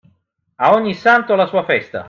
A ogni santo la sua festa.